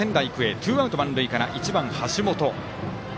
ツーアウト、満塁から１番、橋本。